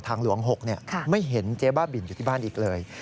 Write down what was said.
หลวง๖ไม่เห็นเจ๊บ้าบินอยู่ที่บ้านอีกเลย